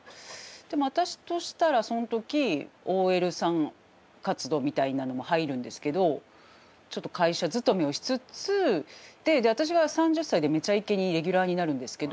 でも私としたらその時ＯＬさん活動みたいなのも入るんですけどちょっと会社勤めをしつつで私は３０歳で「めちゃイケ」にレギュラーになるんですけど。